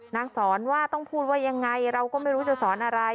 นางสอนว่าต้องพูดว่ายังไงเราก็ไม่รู้จะสอนอะไร